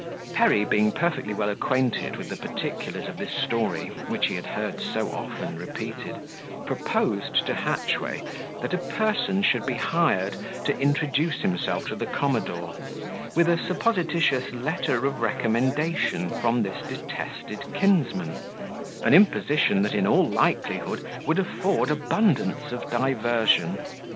Perry being perfectly well acquainted with the particulars of this story, which he had heard so often repeated, proposed to Hatchway that a person should be hired to introduce himself to the commodore, with a supposititious letter of recommendation from this detested kinsman; an imposition that, in all likelihood, would afford abundance of diversion.